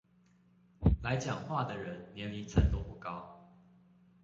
來講話的人年齡層都不高